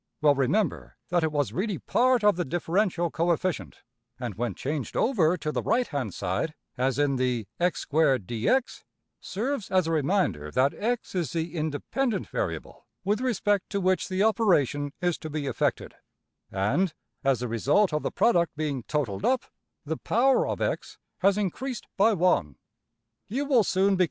Well, remember that it was really part of the differential coefficient, and when changed over to the right hand side, as in the~$x^2\, dx$, serves as a reminder that $x$~is the independent variable with respect to which the operation is to be effected; and, as the result of the product being totalled up, the power of~$x$ has increased by \emph{one}.